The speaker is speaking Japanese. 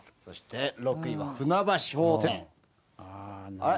そして６位は船橋法典。